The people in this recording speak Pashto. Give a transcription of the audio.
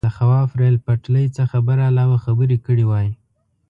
د خواف ریل پټلۍ څخه برعلاوه خبرې کړې وای.